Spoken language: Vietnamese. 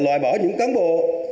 loại bỏ những cán bộ